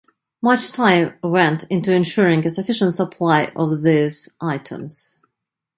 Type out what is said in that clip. Much time went into ensuring a sufficient supply of these items.